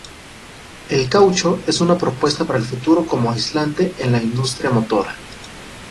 El caucho es una propuesta para el futuro como aislante en la industria motora.